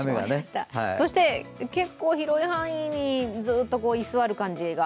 そして結構広い範囲にずっと居座る感じが。